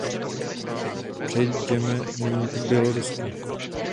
Přejděme nyní k Bělorusku.